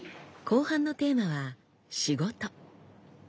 後半のテーマは仕事。